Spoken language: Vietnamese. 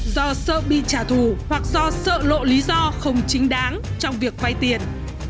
do sợ bị trả thù hoặc do sợ lộ lý do không chính đáng trong việc vay tiền